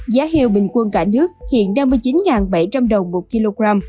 giá heo bình quân cả nước hiện đang mươi chín bảy trăm linh đồng một kg